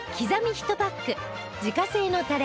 １パック自家製のタレ